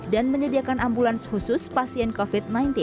dan menyediakan ambulans khusus pasien covid sembilan belas